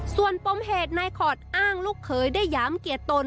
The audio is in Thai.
ส่วนปมเหตุในคอดอ้างลูกเคยได้หยามเกลียดตน